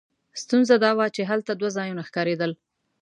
ستونزه دا وه چې هلته دوه ځایونه ښکارېدل.